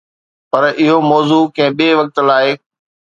پر اهو موضوع ڪنهن ٻئي وقت لاءِ.